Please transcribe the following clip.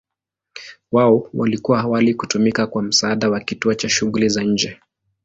Wao walikuwa awali kutumika kwa msaada wa kituo cha shughuli za nje.